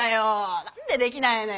何でできないのよ。